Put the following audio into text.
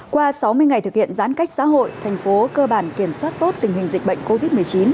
qua sáu mươi ngày thực hiện giãn cách xã hội thành phố cơ bản kiểm soát tốt tình hình dịch bệnh covid một mươi chín